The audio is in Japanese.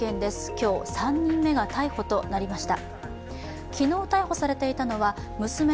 今日、３人目が逮捕となりました。